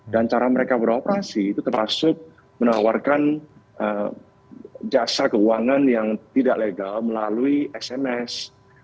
dan cara mereka beroperasi itu termasuk menawarkan jasa keuangan yang tidak legal melalui sms